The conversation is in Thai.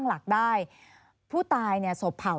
สวัสดีครับ